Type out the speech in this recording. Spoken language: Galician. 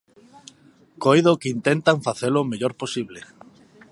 Coido que intentan facelo o mellor posible.